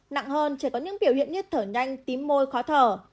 nặng hơn trẻ có những biểu hiện như thở nhanh tím môi khó thở